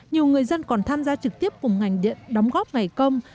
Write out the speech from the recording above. nhiều người dân còn tham gia trực tiếp cùng ngành điện đóng góp ngày công